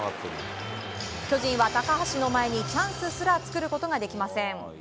巨人は高橋の前にチャンスすら作ることができません。